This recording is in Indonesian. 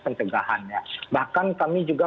pencegahan ya bahkan kami juga